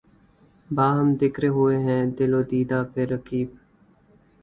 باہم دِکر ہوئے ہیں دل و دیده پهر رقیب